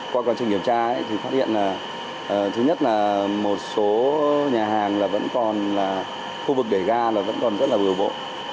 qua quan trọng nghiệp tra thì phát hiện là thứ nhất là một số nhà hàng là vẫn còn là khu vực để ga là vẫn còn rất là vừa bộ